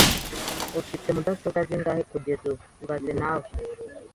Ufite mudasobwa zingahe kugeza ubu ibaze nawe